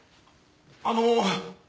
あの。